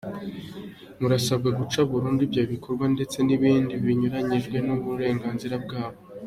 Murasabwa guca burundu ibyo bikorwa ; ndetse n’ibindi binyuranije n’uburenganzira bwabo."